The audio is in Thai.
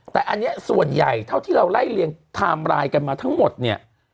แต่อันนี้ส่วนใหญ่เท่าที่เราไล่เรียงไทม์ไลน์กันมาทั้งหมดเนี่ย